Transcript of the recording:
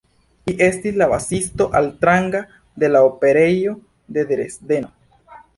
Li estis la basisto altranga de la Operejo de Dresdeno.